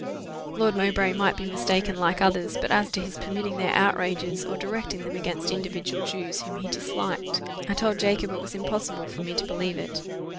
Lord Mowbray might be mistaken like others; but as to his permitting their outrages, or directing them against individual Jews whom he disliked, I told Jacob it was impossible for me to believe it.